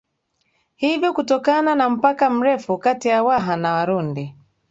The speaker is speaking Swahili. Hivyo kutokana na mpaka mrefu kati ya waha na warundi